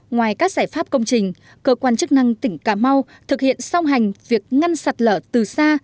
ngoài các giải pháp công trình cơ quan chức năng tỉnh cà mau thực hiện song hành việc ngăn sạt lở từ xa